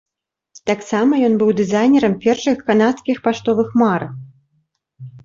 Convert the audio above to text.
Таксама ён быў дызайнерам першых канадскіх паштовых марак.